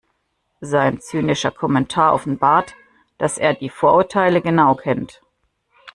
Sein zynischer Kommentar offenbart, dass er die Vorurteile genau kennt.